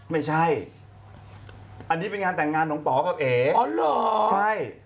ไม่ใช่อันนี้เป็นงานแต่งงานของป๋อกับเอ๋อ๋อเหรอใช่